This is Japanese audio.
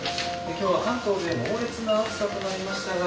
今日は関東で猛烈な暑さとなりましたが。